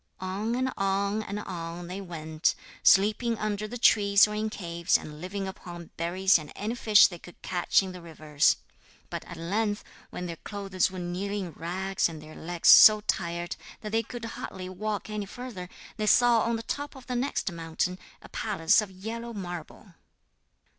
On and on and on they went, sleeping under the trees or in caves, and living upon berries and any fish they could catch in the rivers. But at length, when their clothes were nearly in rags and their legs so tired that they could hardly walk any further, they saw on the top of the next mountain a palace of yellow marble.